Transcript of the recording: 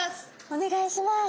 お願いします。